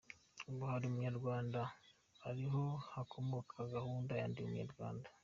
Ubu hari Umunyarwanda ariho hakomoka gahunda ya Ndi Umunyarwanda.